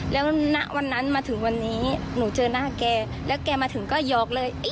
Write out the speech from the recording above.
แล้วณวันนั้นมาถึงวันนี้หนูเจอหน้าแกแล้วแกมาถึงก็หยอกเลย